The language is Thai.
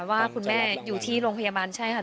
ว่าคุณแม่อยู่ที่โรงพยาบาลใช่ค่ะ